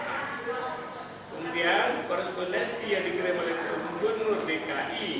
kemudian korespondensi yang dikirim oleh pak gunur dki